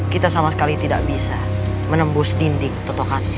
kita sama sekali tidak bisa menembus dinding totokan